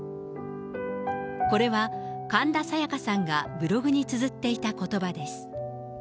これは、神田沙也加さんがブログにつづっていたことばです。